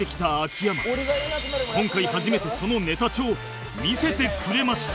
今回初めてそのネタ帳を見せてくれました